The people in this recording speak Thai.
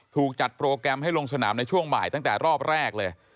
ถูกจัดโปรแกรมให้ลงสนามในช่วงบ่ายตั้งแต่รอบแรกเลย